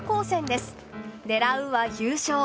狙うは優勝。